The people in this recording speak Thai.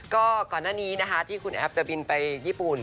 ก็ก่อนหน้านี้นะคะที่คุณแอฟจะบินไปญี่ปุ่น